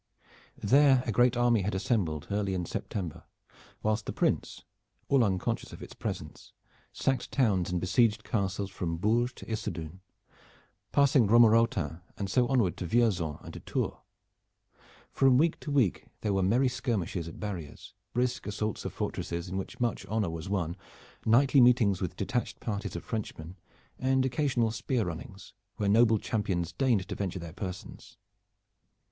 There a great army had assembled early in September, whilst the Prince, all unconscious of its presence sacked towns and besieged castles from Bourges to Issodun, passing Romorautin, and so onward to Vierzon and to Tours. From week to week there were merry skirmishes at barriers, brisk assaults of fortresses in which much honor was won, knightly meetings with detached parties of Frenchmen and occasional spear runnings where noble champions deigned to venture their persons.